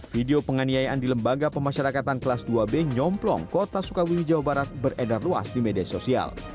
video penganiayaan di lembaga pemasyarakatan kelas dua b nyomplong kota sukabumi jawa barat beredar luas di media sosial